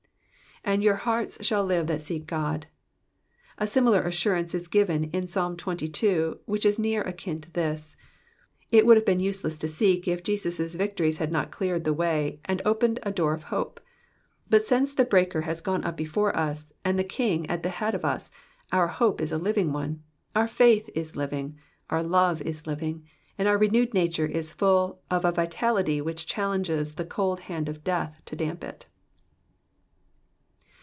^*^And your heart shall live that seek Ood.'^^ A Blmilar assurance is given in Psalm xxii., which is near akin to this. It would have been useless to seek if Jesus' victories had not cleared the way, and opened a door of hope ; but, since the Breaker has gone up before us, and the King at the head of us, our hope is a living one, our faith is living, our love is ' Digitized by VjOOQIC 270 EXPOSITIONS OF THB PSALMS. liriog, mad oar renewed natitre is full of a TiUlitj which chaDeoges the cold band of death to damp it.